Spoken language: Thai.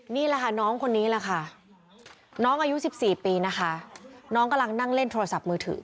นี่แหละค่ะน้องคนนี้แหละค่ะน้องอายุ๑๔ปีนะคะน้องกำลังนั่งเล่นโทรศัพท์มือถือ